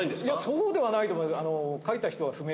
そうではないと思います。